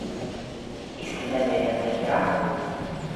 ⵉⵙ ⵜⵍⵍⴰ ⵍⴰⵢⵍⴰ ⴷ ⴽⵔⴰ?